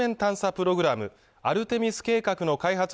プログラムアルテミス計画の開発